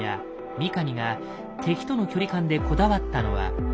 三上が敵との距離感でこだわったのは。